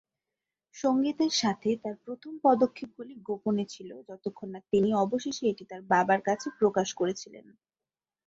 সঙ্গীতের সাথে তার প্রথম পদক্ষেপগুলি গোপনে ছিল যতক্ষণ না তিনি অবশেষে এটি তার বাবার কাছে প্রকাশ করেছিলেন।